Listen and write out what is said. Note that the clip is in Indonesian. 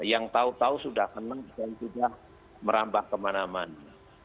yang tahu tahu sudah kenal dan sudah merambah kemana mana